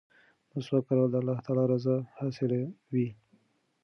مسواک کارول د الله تعالی رضا حاصلوي.